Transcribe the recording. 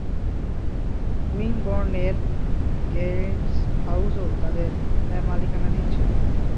উইমবোর্নের গ্যান্টস হাউসও তাদের মালিকানাধীন ছিল।